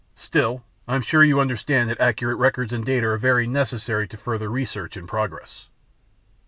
Still, I'm sure you understand that accurate records and data are very necessary to further research and progress."